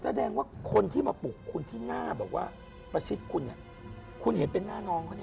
แสดงว่าคนที่มาปลุกคุณที่หน้าแบบว่าประชิดคุณคุณเห็นเป็นหน้าน้องเขาเนี่ย